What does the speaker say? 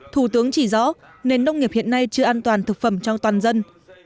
thủ tướng chỉ rõ nền nông nghiệp hiện nay chưa an toàn thực phẩm trong toàn dân